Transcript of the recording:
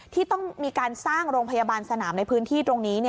ที่ต้องมีการสร้างโรงพยาบาลสนามในพื้นที่ตรงนี้